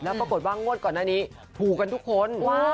ปรากฏว่างวดก่อนหน้านี้ถูกกันทุกคน